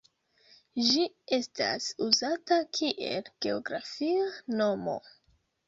Ĝi estas uzata kiel geografia nomo.